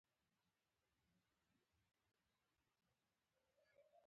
د خدای یاد د هر غم دوا ده.